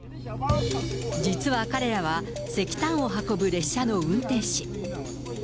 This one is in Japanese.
実は彼らは、石炭を運ぶ列車の運転士。